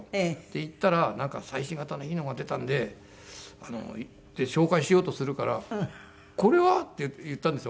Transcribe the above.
で行ったら「最新型のいいのが出たんで」って紹介しようとするから「これは？」って言ったんですよ表で。